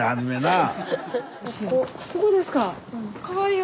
ここですか。